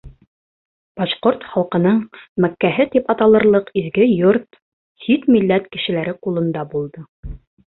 Башҡорт халҡының Мәккәһе тип аталырлыҡ изге йорт сит милләт кешеләре ҡулында булды.